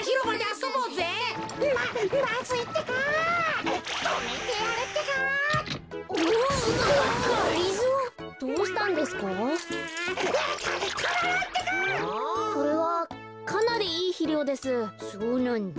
そうなんだ。